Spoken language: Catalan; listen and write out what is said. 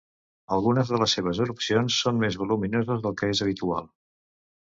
Algunes de les seves erupcions són més voluminoses del que és habitual.